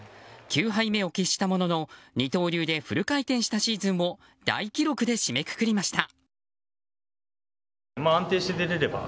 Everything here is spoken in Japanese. ９敗目を喫したものの二刀流でフル回転したシーズンを大記録で締めくくりました。